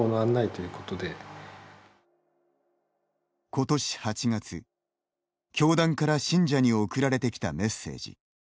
今年８月、教団から信者に送られてきたメッセージ。